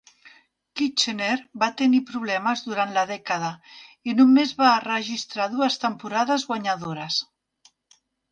Kitchener va tenir problemes durant la dècada, i només va registrar dues temporades guanyadores.